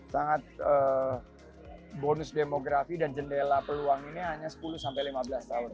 sangat bonus demografi dan jendela peluang ini hanya sepuluh sampai lima belas tahun